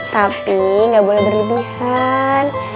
tapi enggak boleh berlebihan